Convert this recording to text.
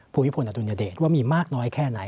ภูมิพลอดุลยเดชว่ามีมากน้อยแค่ไหน